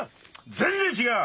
全然違う！